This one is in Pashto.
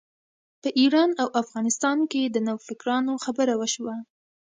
په ایران او افغانستان کې د نوفکرانو خبره وشوه.